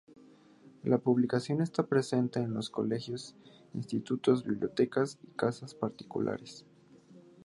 La publicación está presente en los colegios, institutos, bibliotecas y casas particulares.